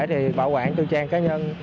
thì bảo quản chốt chặn cá nhân